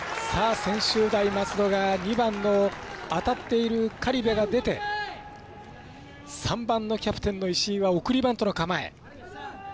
専修大松戸が２番の当たっている苅部が出て３番のキャプテンの石井は送りバントの構え。